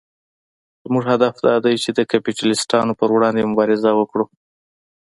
زموږ هدف دا دی چې د کپیټلېستانو پر وړاندې مبارزه وکړو.